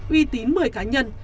uy tín một mươi cá nhân